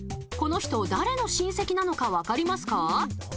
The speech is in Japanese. この人、誰の親戚なのか分かりますか？